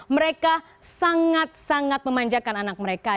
mereka sangat sangat memanjakan anak mereka